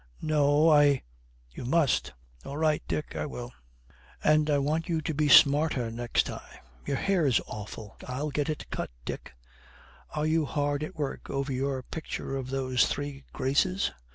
'No, I ' 'You must.' 'All right, Dick, I will.' 'And I want you to be smarter next time. Your hair's awful.' 'I'll get it cut, Dick.' 'Are you hard at work over your picture of those three Graces?'